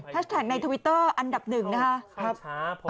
แท็ชแท็กในทวิตเตอร์อันดับหนึ่งนะฮะ